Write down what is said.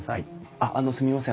あっあのすみません